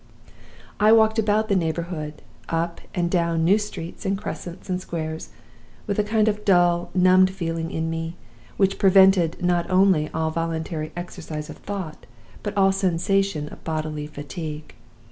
I walked about the neighborhood, up and down new streets and crescents and squares, with a kind of dull, numbed feeling in me, which prevented, not only all voluntary exercise of thought, but all sensation of bodily fatigue.